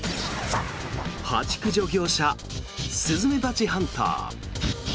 蜂駆除業者スズメバチハンター。